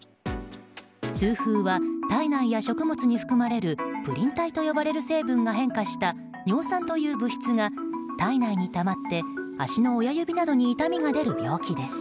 痛風は体内や食物に含まれるプリン体と呼ばれる成分が変化した尿酸という物質が体内にたまって足の親指などに痛みが出る病気です。